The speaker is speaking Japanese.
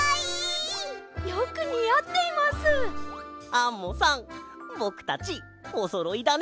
アンモさんぼくたちおそろいだね。